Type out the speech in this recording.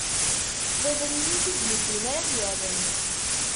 D abrid i t-id-iwwin ara t-irren.